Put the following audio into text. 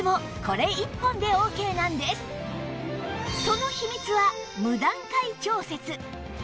その秘密は無段階調節